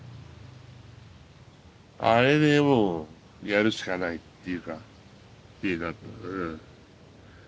あれでもうやるしかないっていうか気になったかなあ。